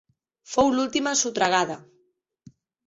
Fou l'última sotragada.